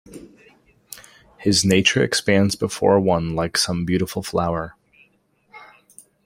His nature expands before one like some beautiful flower.